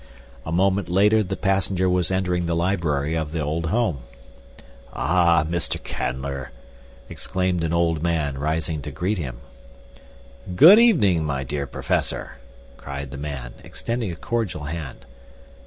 A moment later the passenger was entering the library of the old home. "Ah, Mr. Canler!" exclaimed an old man, rising to greet him. "Good evening, my dear Professor," cried the man, extending a cordial hand.